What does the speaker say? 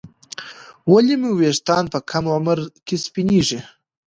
ولې مو ویښتان په کم عمر کې سپینېږي